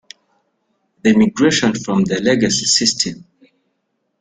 The migration from the legacy system.